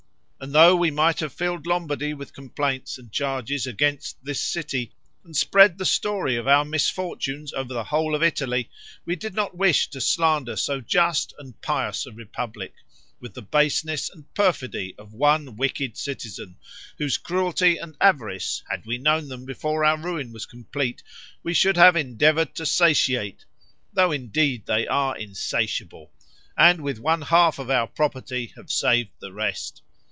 And though we might have filled Lombardy with complaints and charges against this city, and spread the story of our misfortunes over the whole of Italy, we did not wish to slander so just and pious a republic, with the baseness and perfidy of one wicked citizen, whose cruelty and avarice, had we known them before our ruin was complete, we should have endeavored to satiate (though indeed they are insatiable), and with one half of our property have saved the rest.